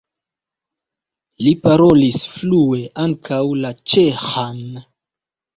Li parolis flue ankaŭ la ĉeĥan.